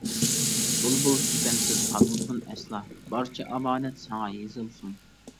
بۇلبۇل كېپەنسىز قالمىسۇن ئەسلا، بارچە ئامانەت ساڭا يېزىلسۇن.